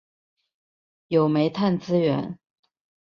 有煤炭资源。